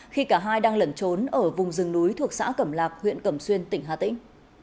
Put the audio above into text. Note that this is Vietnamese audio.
khi cả hai đang lẩn trốn ở vùng rừng núi thuộc xã cẩm lạc huyện cẩm xuyên tỉnh hà tĩnh